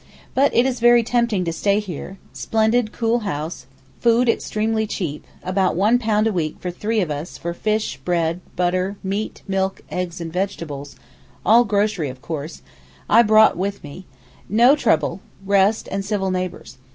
But it is very tempting to stay here—a splendid cool house, food extremely cheap; about £1 a week for three of us for fish, bread, butter, meat, milk, eggs and vegetables; all grocery, of course, I brought with me; no trouble, rest and civil neighbours.